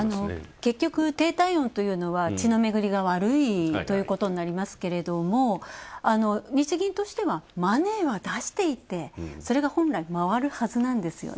結局、低体温というのは血の巡りが悪いということになりますけども、日銀としてはマネーは出していってそれが本来回るはずなんですよね。